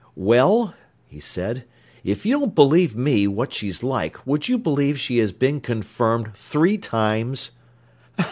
"Well," he said, "if you don't believe me, what she's like, would you believe she has been confirmed three times?"